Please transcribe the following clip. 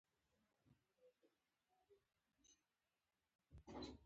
د عبدالرحمن جامي مزار په هرات کی دی